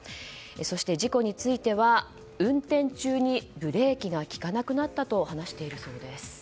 そして、事故については運転中にブレーキが利かなくなったと話しているそうです。